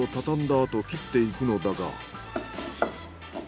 あと切っていくのだが。